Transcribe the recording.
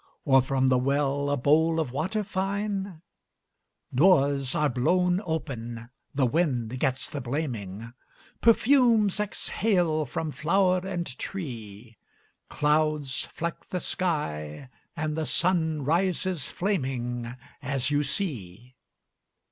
Or, from the well, a bowl of water fine? Doors are blown open, the wind gets the blaming. Perfumes exhale from flower and tree. Clouds fleck the sky and the sun rises flaming, As you see!